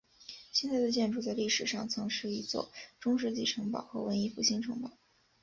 现在的建筑在历史上曾是一座中世纪城堡和文艺复兴城堡。